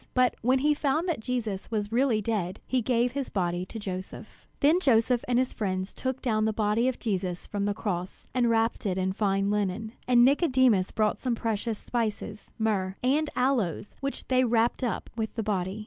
But when he found that Jesus was really dead, he gave his body to Joseph. Then Joseph and his friends took down the body of Jesus from the cross, and wrapped it in fine linen. And Nicodemus brought some precious spices, myrrh and aloes, which they wrapped up with the body.